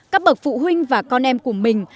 các bậc phụ huynh và con em của mình